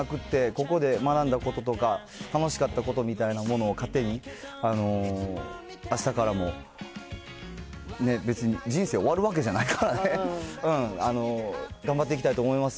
ここで学んだこととか、楽しかったことみたいなものを勝手にあしたからもね、別に人生終わるわけじゃないからね、頑張っていきたいと思います。